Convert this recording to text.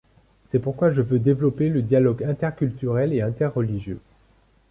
C'est pourquoi je veux développer le dialogue interculturel et inter-religieux.